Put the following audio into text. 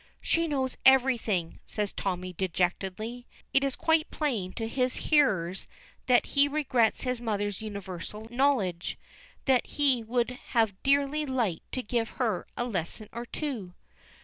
"She knows everything," says Tommy, dejectedly. It is quite plain to his hearers that he regrets his mother's universal knowledge that he would have dearly liked to give her a lesson or two.